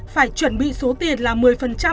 phải chuẩn bị số tiền là một mươi tỷ đồng